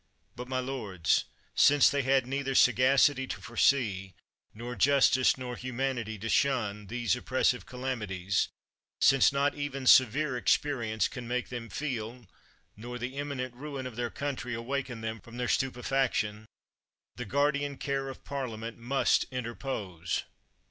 But, my lords, since they had neither sagacity to foresee, nor justice nor humanity to shun these oppressive calamities — since not even severe experience can make them feel, nor the imminent ruin of their country awaken them from their stupefaction, the guardian care of Parliament must interpose.